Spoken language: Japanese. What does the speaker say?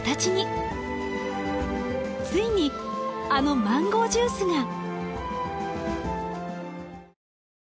ついにあのマンゴージュースが。